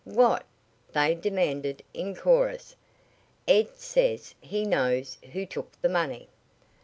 "What?" they demanded in chorus. "Ed says he knows who took the money."